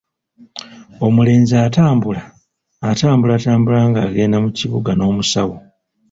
Omulenzi atambula atambulatambula ng'agenda mu kibuga n'omusawo.